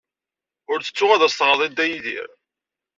Ur ttettu ad as-teɣreḍ i Dda Yidir.